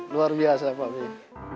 luar biasa pak beyi